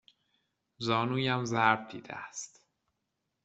زانویم ضرب دیده است.